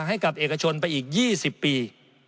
ให้กับเอกชนไปอีก๒๐ปี